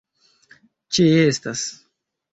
ĉeestas